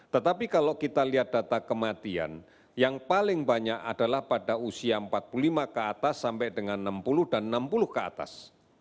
tetapi kalau kita lihat data kematian yang paling banyak adalah pada usia empat puluh lima ke atas sampai dengan enam puluh dan enam puluh ke atas